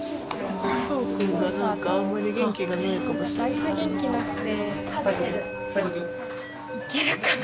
だいぶ元気なくて。